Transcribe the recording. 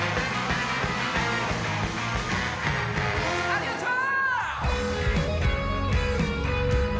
ありがとう！